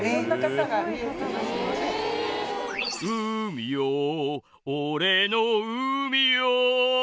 海よ俺の海よ」